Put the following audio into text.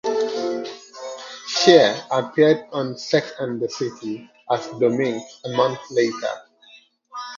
Shea appeared on "Sex and the City" as Dominc a month later.